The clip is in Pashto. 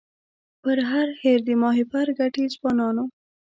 پر هر هېر د ماهیپر ګټي ځوانانو